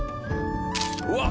うわっ！